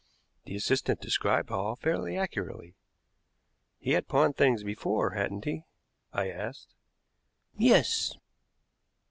The assistant described Hall fairly accurately. "He had pawned things before, hadn't he?" I asked. "Yes."